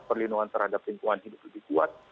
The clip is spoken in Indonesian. perlindungan terhadap lingkungan hidup lebih kuat